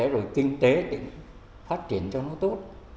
rồi kinh tế phát triển cho nó tốt